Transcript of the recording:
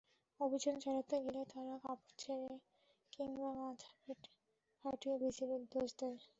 অভিযান চালাতে গেলে তারা কাপড় ছিঁড়ে এবং মাথা ফাটিয়ে বিজিবির দোষ দেয়।